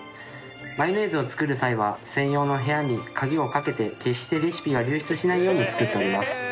マヨネーズを作る際は専用の部屋に鍵をかけて決してレシピが流出しないように作っております。